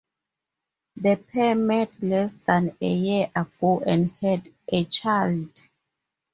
The pair met less than a year ago and had a child.